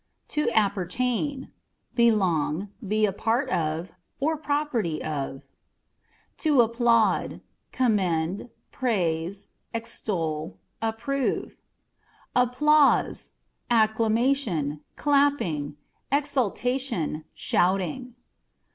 To Appertain â€" belong ; be a part, or property of. To Applaud â€" commend, praise, extol, approve. Applause â€" acclamation, clapping, exultation, shouting.